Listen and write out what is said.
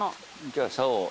じゃあさおを。